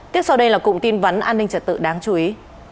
tiếp sau đây là cụm tin vấn an ninh trật tự đáng chú ý